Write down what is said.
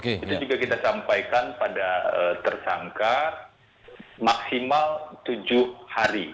itu juga kita sampaikan pada tersangka maksimal tujuh hari